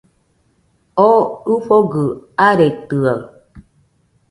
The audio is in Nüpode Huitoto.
O ɨfogɨ aretɨaɨ